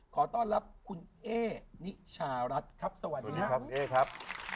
ขอต้อนรับคุณเอนิชารัฐครับสวัสดีครับ